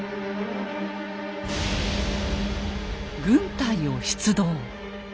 軍隊を出動。